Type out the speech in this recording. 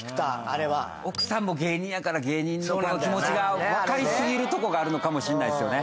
あれは奥さんも芸人やから芸人の気持ちが分かり過ぎるとこがあるのかもしんないですよね